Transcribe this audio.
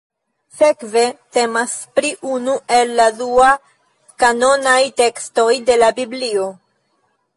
Sekve temas pri unu el la dua-kanonaj tekstoj de la Biblio.